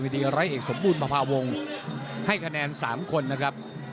ประสบบูรณ์ประพาวงศ์ให้คะแนน๓คนนะครับ